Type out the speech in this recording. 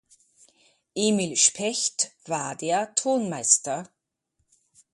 Emil Specht war der Tonmeister.